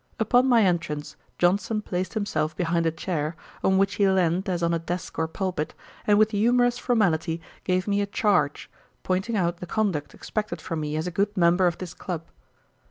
Upon my entrance, Johnson placed himself behind a chair, on which he leaned as on a desk or pulpit, and with humorous formality gave me a Charge, pointing out the conduct expected from me as a good member of this club.